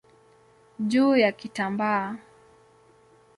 juu ya kitambaa.